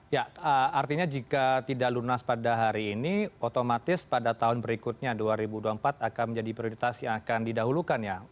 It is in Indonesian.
ya artinya jika tidak lunas pada hari ini otomatis pada tahun berikutnya dua ribu dua puluh empat akan menjadi prioritas yang akan didahulukan ya